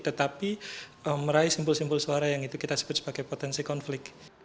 tetapi meraih simpul simpul suara yang itu kita sebut sebagai potensi konflik